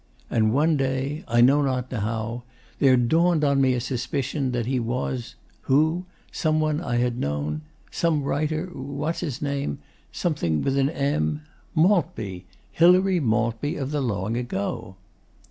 And one day, I know not how, there dawned on me a suspicion that he was who? some one I had known some writer what's his name something with an M Maltby Hilary Maltby of the long ago!